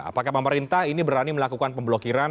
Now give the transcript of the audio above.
apakah pemerintah ini berani melakukan pemblokiran